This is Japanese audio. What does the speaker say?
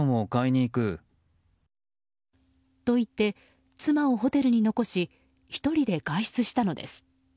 と言って妻をホテルに残し１人で外出したのです。